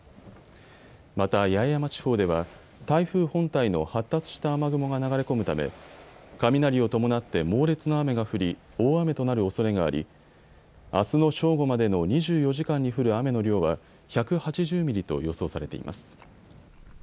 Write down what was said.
また八重山地方では台風本体の発達した雨雲が流れ込むため雷を伴って猛烈な雨が降り大雨となるおそれがありあすの正午までの２４時間に降る雨の量は１８０ミリと予想されています。